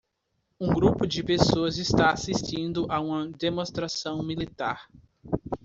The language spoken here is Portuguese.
Um grupo de pessoas está assistindo a uma demonstração militar.